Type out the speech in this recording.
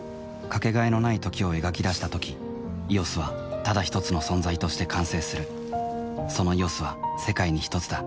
かけがえのない「時」を描き出したとき「ＥＯＳ」はただひとつの存在として完成するその「ＥＯＳ」は世界にひとつだ